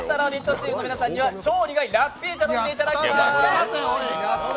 チームの皆さんには、超苦いラッピー茶を飲んでいただきます。